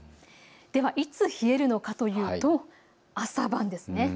では、いつ冷えるのかというと朝晩です。